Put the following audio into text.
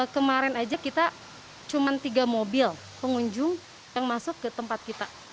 kemarin aja kita cuma tiga mobil pengunjung yang masuk ke tempat kita